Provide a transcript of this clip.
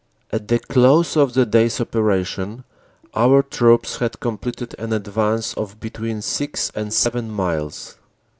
At the close of the day s operation our troops had completed an advance of between six and seven miles.